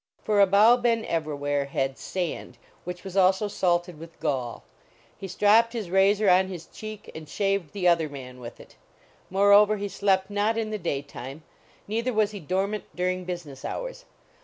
For Abou Ben Evrawhair had sand, which was also salted with gall; he stropped his razor on his cheek and shaved the other man with it. Moreover he slept not in the day time, neither was he dormant during business hours.